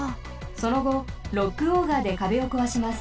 そのごロックオーガーでかべをこわします。